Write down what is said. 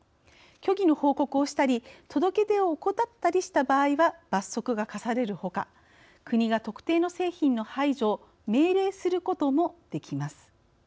虚偽の報告をしたり届け出を怠ったりした場合は罰則が科されるほか国が特定の製品の排除を命令することもできます。